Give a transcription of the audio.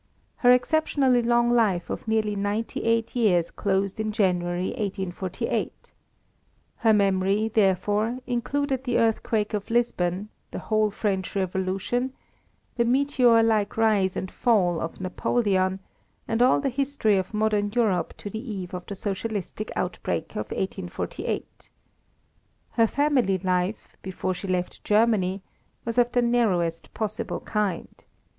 Her exceptionally long life of nearly ninety eight years closed in January 1848. Her memory, therefore, included the earthquake of Lisbon, the whole French Revolution, the meteor like rise and fall of Napoleon, and all the history of modern Europe to the eve of the socialistic outbreak of 1848. Her family life, before she left Germany, was of the narrowest possible kind.